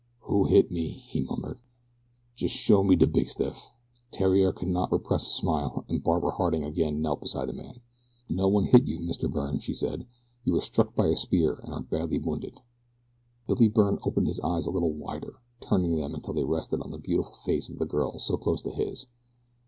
"Who hit me?" he murmured. "Jes' show me de big stiff." Theriere could not repress a smile. Barbara Harding again knelt beside the man. "No one hit you, Mr. Byrne," she said. "You were struck by a spear and are badly wounded." Billy Byrne opened his eyes a little wider, turning them until they rested on the beautiful face of the girl so close to his.